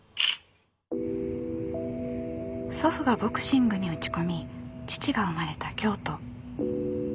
祖父がボクシングに打ち込み父が生まれた京都。